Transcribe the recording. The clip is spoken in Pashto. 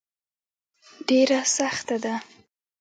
ډبره سخته ده.